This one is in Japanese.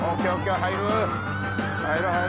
入る入る。